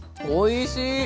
おいしい。